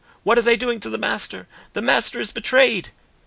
"What are they doing to the Master?" "The Master is betrayed!"